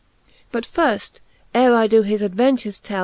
XIV. But firft, ere I doe his adventures tell.